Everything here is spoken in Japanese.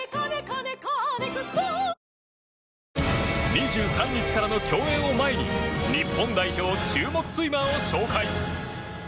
２３日からの競泳を前に日本代表注目スイマーを紹介。